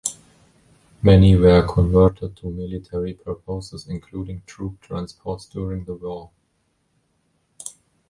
Many were converted to military purposes including troop-transports during the war.